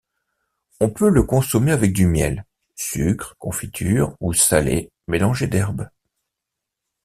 On peut le consommer avec du miel, sucre, confiture, ou salé mélangé d'herbes.